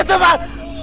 ada apaan sih